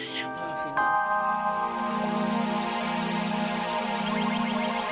ya ampun maafin aku